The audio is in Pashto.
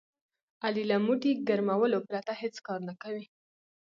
علي له موټي ګرمولو پرته هېڅ کار نه کوي.